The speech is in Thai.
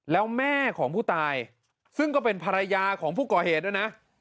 แล้วแม่ของผู้ตายซึ่งก็เป็นภรรยาของผู้ก่อเหตุด้วยนะ